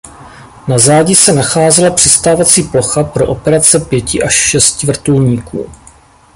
Na zádi se nacházela přistávací plocha pro operace pěti až šesti vrtulníků.